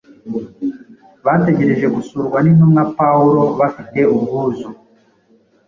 bategereje gusurwa n’intumwa Pawulo bafite ubwuzu.